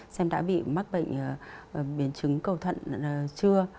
xem đã bị mắc bệnh biến chứng cầu thận chưa